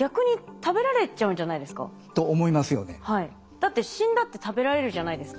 だって死んだって食べられるじゃないですか。